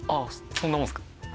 そんなもんですか